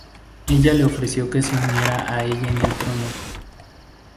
Ella le ofreció que se uniera a ella en el trono.